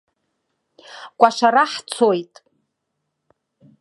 Кәашара ҳцоит.